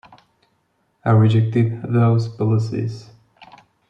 I rejected those policies.